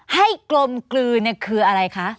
กลมกลืนคืออะไรคะ